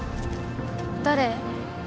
誰？